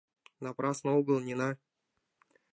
Напрасно огыл, Нина.